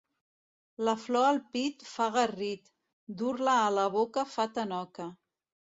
La flor al pit fa garrit, dur-la a la boca fa tanoca.